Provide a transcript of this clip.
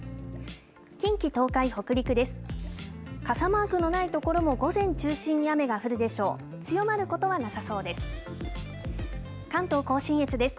近畿、東海、北陸です。